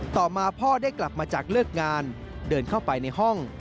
ต่อมาพ่อได้กลับมาจากเลิกงานเดินเข้าไปในห้อง